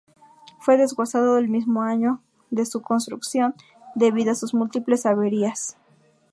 Fue desguazado el mismo año de su construcción debido a sus múltiples averías.